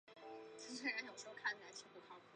前身为陆军步兵第一二七师